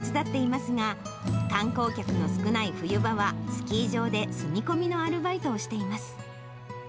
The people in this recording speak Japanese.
夏はマイクさんの仕事を手伝っていますが、観光客の少ない冬場は、スキー場で住み込みのアルバイトをしています。